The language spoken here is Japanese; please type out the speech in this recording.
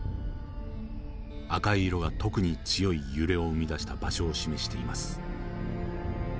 赤い色が特に強い揺れを生み出した場所を示しています。